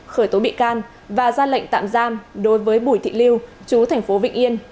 khởi tố bị can và ra lệnh tạm giam đối với bùi thị lưu chú tp vịnh yên